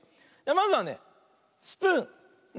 まずはね「スプーン」。ね。